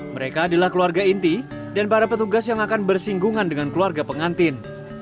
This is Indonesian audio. mereka adalah keluarga inti dan para petugas yang akan bersinggungan dengan keluarga pengantin